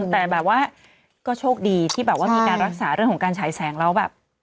แต่แบบว่าก็โชคดีที่แบบว่ามีการรักษาเรื่องของการฉายแสงแล้วแบบ